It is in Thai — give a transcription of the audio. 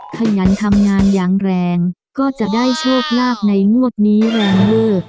ขยันทำงานอย่างแรงก็จะได้โชคลาภในงวดนี้แรงเวอร์